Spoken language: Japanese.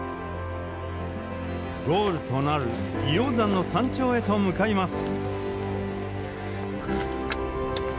ゴールとなる硫黄山の山頂へと向かいます。